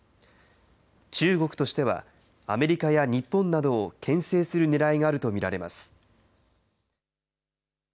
中国としては、アメリカや日本などをけん制するねらいがあると見られます。